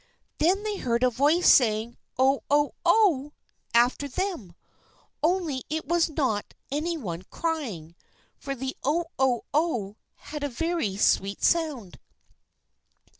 Then they heard a voice saying, "Oh! oh! oh!" after them. Only it was not any one crying, for the "oh! oh! oh!" had a very sweet sound.